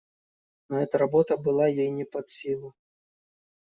Но эта работа была ей не под силу.